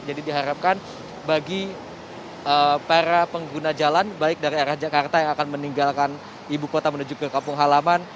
jadi diharapkan bagi para pengguna jalan baik dari arah jakarta yang akan meninggalkan ibu kota menuju ke kampung halaman